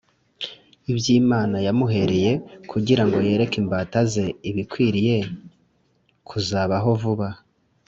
ibyo Imana yamuhereye kugira ngo yereke imbata ze ibikwiriye kuzabaho vuba,